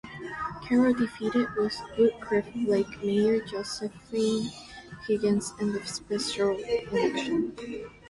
Carroll defeated Woodcliff Lake mayor Josephine Higgins in the special election.